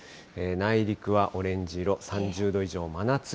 内陸はオレンジ色、３０度以上、真夏日。